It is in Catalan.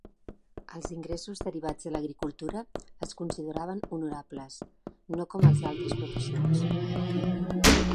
Els ingressos derivats de l'agricultura es consideraven honorables, no com els d'altres professions.